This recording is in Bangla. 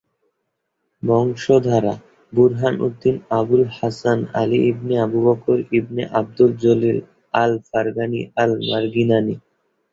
বংশধারা: Burhan Uddin Abul Hasan Ali ibn Abu Bakr ibn Abdul Jalil al Farghani আল-মারগিনানী।